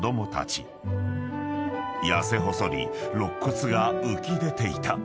［痩せ細り肋骨が浮き出ていた］